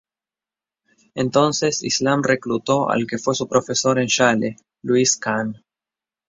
Entonces Islam reclutó al que fue su profesor en Yale, Louis Kahn.